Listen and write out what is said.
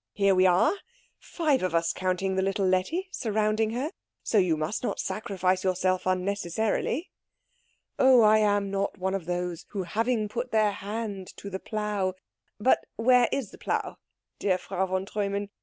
"Here we are, five of us counting the little Letty, surrounding her. So you must not sacrifice yourself unnecessarily." "Oh, I am not one of those who having put their hand to the plough " "But where is the plough, dear Frau von Treumann?